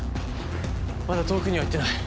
まだ遠くには行ってない。